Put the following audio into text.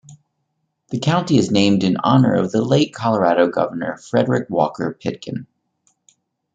The county is named in honor of the late Colorado Governor Frederick Walker Pitkin.